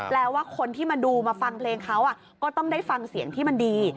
แล้วว่าคนที่มาดูมาฟังเพลงเขาก็ต้องได้ฟังเสียงที่มันดี